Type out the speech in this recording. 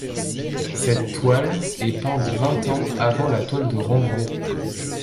Cette toile est peinte vingt ans avant la toile de Rembrandt.